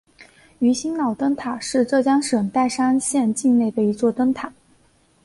鱼腥脑岛灯塔是浙江省岱山县境内的一座灯塔。